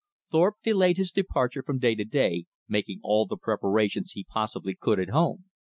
Thorpe delayed his departure from day to day, making all the preparations he possibly could at home.